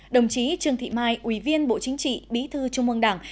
đồng chí trương thị mai ủy viên bộ chính trị bí thư trung ương đảng